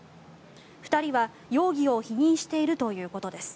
２人は容疑を否認しているということです。